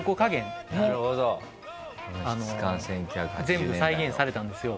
全部再現されたんですよ。